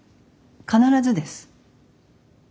必ずです。